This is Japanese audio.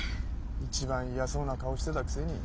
一番嫌そうな顔してたくせに。